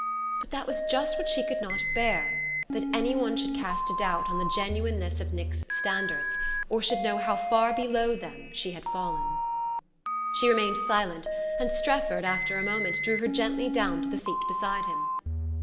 But that was just what she could not bear: that anyone should cast a doubt on the genuineness of Nick's standards, or should know how far below them she had fallen. She remained silent, and Strefford, after a moment, drew her gently down to the seat beside him.